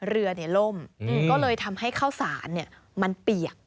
เรือล่มก็เลยทำให้ข้าวสารมันเปียก